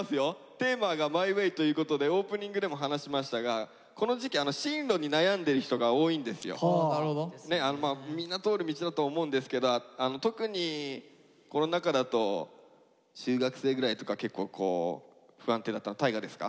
テーマが「ＭＹＷＡＹ」ということでオープニングでも話しましたがこの時期みんな通る道だと思うんですけど特にこの中だと中学生ぐらいとか結構不安定だったの大我ですか？